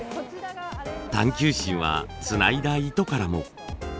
探求心はつないだ糸からも。